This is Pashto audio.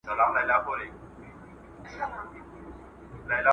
دا سړک تر هغه بل سړک ډېر ګڼه ګوڼه لري.